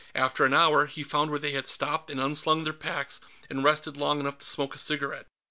After an hour, he found where they had stopped and unslung their packs, and rested long enough to smoke a cigarette.